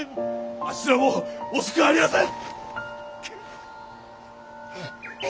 あっしらも惜しくありやせん！